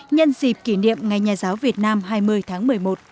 nhân dịp kỷ niệm ngày nhà giáo việt nam hai mươi tháng một mươi một